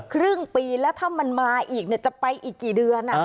ครึ่งปีแล้วถ้ามันมาอีกจะไปอีกกี่เดือน